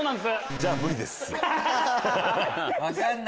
じゃあ無理です。